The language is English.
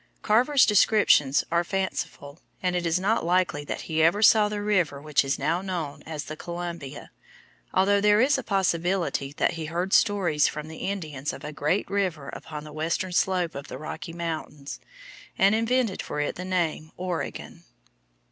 Carver's descriptions are fanciful, and it is not likely that he ever saw the river which is now known as the Columbia, although there is a possibility that he heard stories from the Indians of a great river upon the western slope of the Rocky Mountains, and invented for it the name Oregon.